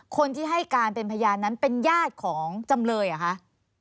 คนที่ให้การเป็นพยานนั้นเป็นญาติของจำเลยเหรอคะ